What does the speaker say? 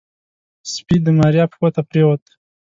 سپي د ماريا پښو ته پرېوت.